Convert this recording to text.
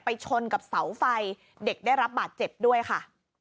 ชนกับเสาไฟเด็กได้รับบาดเจ็บด้วยค่ะ